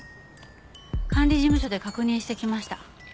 管理事務所で確認してきました。